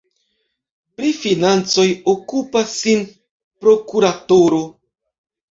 Pri financoj okupas sin prokuratoro.